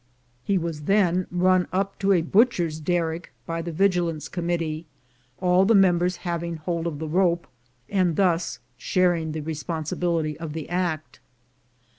He was then run up to a 302 THE GOLD HUNTERS butcher's derrick by the Vigilance Committee, all the members having hold of the rope, and thus sharing the responsibility of the act.